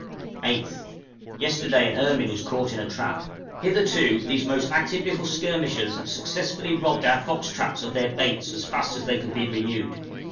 8th. Yesterday an ermine was caught in a trap; hitherto these most active little skirmishers have successfully robbed our fox traps of their baits as fast as they could be renewed.